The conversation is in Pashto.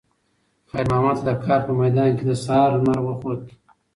خیر محمد ته د کار په میدان کې د سهار لمر وخوت.